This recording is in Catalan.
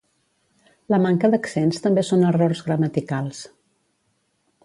La manca d'accents també són errors gramaticals